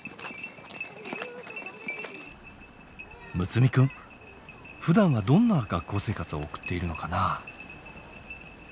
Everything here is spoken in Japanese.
睦弥くんふだんはどんな学校生活を送っているのかな？